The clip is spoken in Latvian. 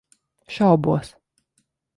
Šaubos.